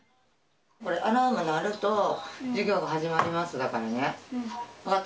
これ、アラームが鳴ると、授業が始まりますだからね、分かった？